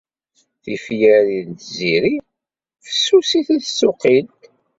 Tifyar n Tiziri fessusit i tsuqilt.